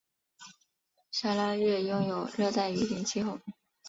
砂拉越拥有热带雨林气候。